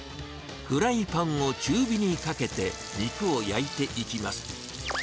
フライパンを中火にかけて、肉を焼いていきます。